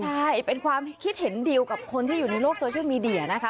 ใช่เป็นความคิดเห็นเดียวกับคนที่อยู่ในโลกโซเชียลมีเดียนะคะ